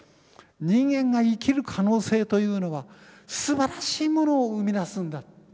人間が生きる可能性というのはすばらしいものを生み出すんだ。